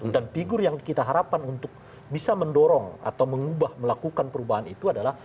dan figur yang kita harapkan untuk bisa mendorong atau mengubah melakukan perubahan itu adalah